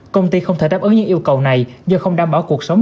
công ty không thể đáp ứng những yêu cầu này do không đảm bảo cuộc sống